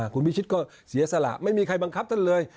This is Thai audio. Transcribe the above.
คุณพิชิตก็เสียสละไม่มีใครบังคับท่านเลย